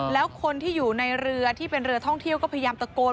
แล้วคนที่อยู่ในเรือที่เป็นเรือท่องเที่ยวก็พยายามตะโกน